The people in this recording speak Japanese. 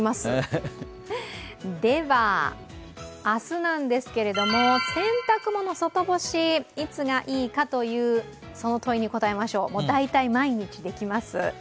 明日なんですけれども、洗濯物、外干し、いつがいいかというその問いに答えましょう大体毎日できます。